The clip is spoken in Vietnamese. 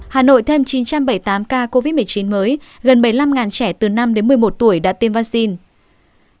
hà nội thêm chín trăm bảy mươi tám ca covid một mươi chín mới gần bảy mươi năm trẻ từ năm đến một mươi một tuổi đã tiêm vaccine